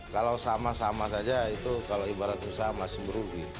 kalau sama sama saja itu kalau ibarat usaha masih berugi